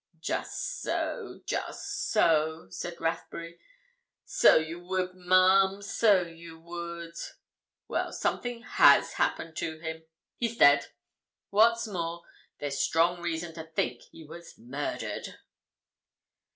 "Just so—just so!" said Rathbury. "So you would, ma'am—so you would. Well, something has happened to him. He's dead. What's more, there's strong reason to think he was murdered."